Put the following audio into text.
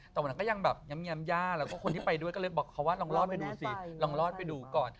แต่วันนั้นก็ยังแบบแง้มย่าแล้วก็คนที่ไปด้วยก็เลยบอกเขาว่าลองรอดไปดูสิลองรอดไปดูก่อน